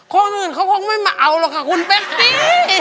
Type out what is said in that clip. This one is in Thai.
คนอื่นเขาคงไม่มาเอาหรอกค่ะคุณเป๊กกี้